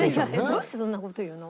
どうしてそんな事言うの？